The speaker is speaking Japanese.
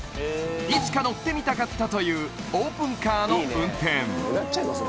いつか乗ってみたかったというオープンカーの運転